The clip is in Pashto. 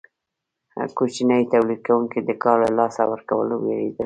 کوچني تولید کوونکي د کار له لاسه ورکولو ویریدل.